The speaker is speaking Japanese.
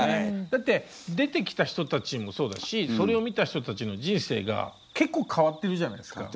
だって出てきた人たちもそうだしそれを見た人たちの人生が結構変わってるじゃないですか。